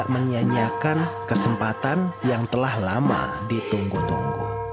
menyanyiakan kesempatan yang telah lama ditunggu tunggu